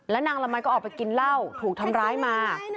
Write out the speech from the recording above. นางละมัยก็ออกไปกินเหล้าถูกทำร้ายมา